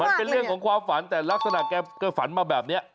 มันเป็นเรื่องของความฝันแต่ลักษณะแกฝันมาแบบนี้